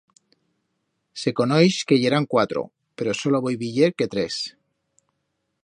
Se conoix que yeran cuatro, pero solo voi viyer que tres.